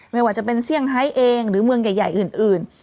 ไม่ว่าจะเป็นเซี่ยงไฮเองหรือเมืองใหญ่อื่น